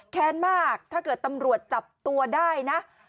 แค้นมากถ้าเกิดตำรวจจับตัวได้นะ